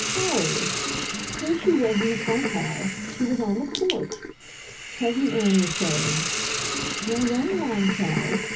Horrors! Here she was in the front hall—she was on the porch! Cousin Ann was saying: "Now run along, child.